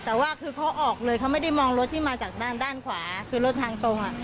แต่ว่าคือเขาออกเลยเขาไม่ได้มองรถที่มาจากด้านด้านขวาคือรถทางตรงอ่ะ